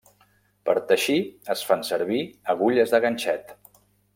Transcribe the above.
Per teixir es fan servir agulles de ganxet.